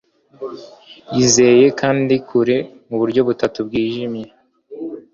yizeye, kandi, kure, muburyo butatu bwijimye